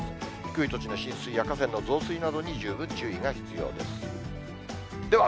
低い土地の浸水や河川の増水などに十分注意が必要です。